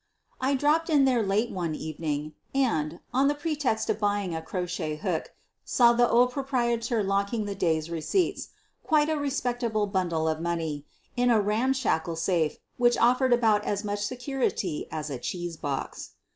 I dropped in there late one even ing, and, on the pretext of buying a crochet hook, QUEEN OP THE BURGLARS 123 saw the old proprietor locking the day's receipts — quite a respectable bundle of money — in a ram shackle safe which offered about as much security as a cheese box.